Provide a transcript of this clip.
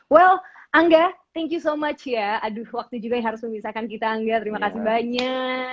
well angga thank you so much ya aduh waktu juga yang harus memisahkan kita angga terima kasih banyak